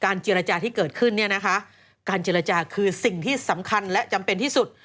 การเจรจาที่เกิดขึ้นคือสิ่งที่สำคัญและจำเป็นที่สุด